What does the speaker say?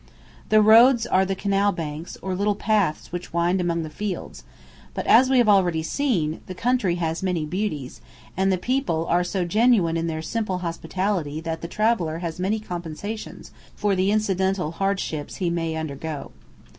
The roads are the canal banks, or little paths which wind among the fields; but, as we have already seen, the country has many beauties, and the people are so genuine in their simple hospitality that the traveller has many compensations for the incidental hardships he may undergo.